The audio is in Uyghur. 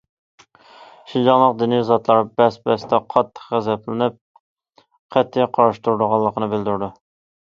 شىنجاڭلىق دىنىي زاتلار بەس- بەستە قاتتىق غەزەپلىنىپ، قەتئىي قارشى تۇرىدىغانلىقىنى بىلدۈردى.